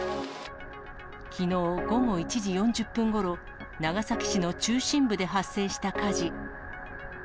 きのう午後１時４０分ごろ、長崎市の中心部で発生した火事。